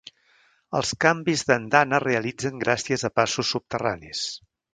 Els canvis d'andana es realitzen gràcies a passos subterranis.